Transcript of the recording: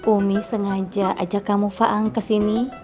umi sengaja ajak kamu faang kesini